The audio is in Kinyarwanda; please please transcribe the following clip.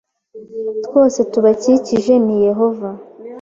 twose tubakikije ni ko Yehova